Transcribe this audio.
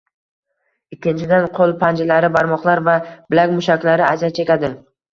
Ikkinchidan, qo‘l panjalari, barmoqlar va bilak mushaklari aziyat chekadi.